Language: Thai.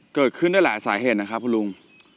เกิดขึ้นได้หลายสาเหตุนะครับคุณลุง